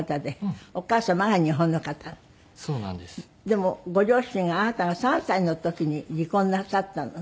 でもご両親があなたが３歳の時に離婚なさったので。